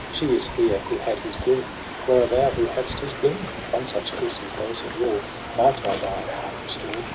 She is here who had his gloom, Where are thou who hadst his bloom? One such kiss as those of yore Might thy dying knight restore